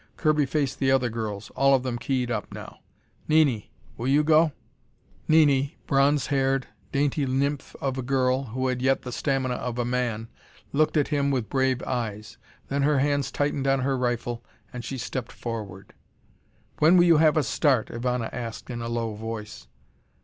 Kirby faced the other girls, all of them keyed up now. "Nini, will you go?" Nini, bronze haired, dainty nymph of a girl, who had yet the stamina of a man, looked at him with brave eyes. Then her hands tightened on her rifle, and she stepped forward. "When will you have us start?" Ivana asked in a low voice.